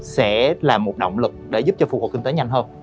sẽ là một động lực để giúp cho phục vụ kinh tế nhanh hơn